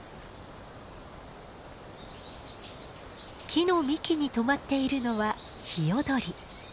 木の幹にとまっているのはヒヨドリ。